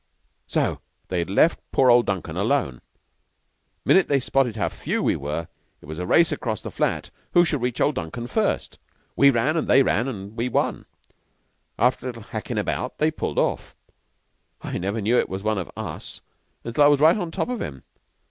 So they had left poor old Duncan alone. 'Minute they spotted how few we were, it was a race across the flat who should reach old Duncan first. We ran, and they ran, and we won, and after a little hackin' about they pulled off. I never knew it was one of us till I was right on top of him.